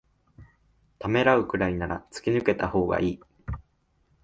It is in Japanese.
ためらうくらいなら突き抜けたほうがいい